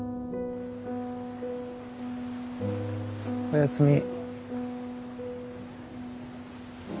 おやすみ。